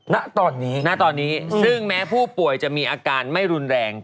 ณตอนนี้ณตอนนี้ซึ่งแม้ผู้ป่วยจะมีอาการไม่รุนแรง